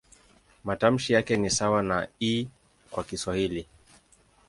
Matamshi yake ni sawa na "i" kwa Kiswahili.